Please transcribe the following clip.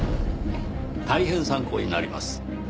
大変参考になります。